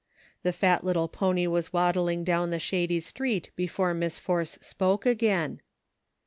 The fat little pony was waddling down the shady street before Miss Force spoke again.